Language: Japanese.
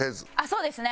そうですね。